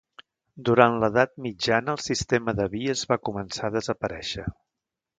Durant l'edat mitjana el sistema de vies va començar a desaparèixer.